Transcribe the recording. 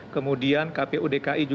kemudian kpu dki